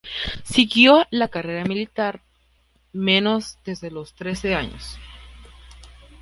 Siguió la carrera militar al menos desde los trece años.